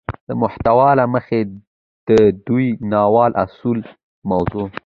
د محتوا له مخې ده دې ناول اصلي موضوع